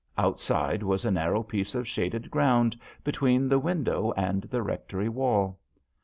Outside was a narrow piece of shaded ground between the window and the rectory wall.